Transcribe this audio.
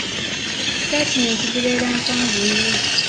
Sitatimenti zibeera mpanvu nnyo.